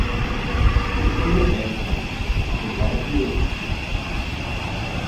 En efecto, todo vai a peor.